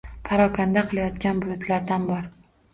Parokanda qilayotgan bulutlardan bor.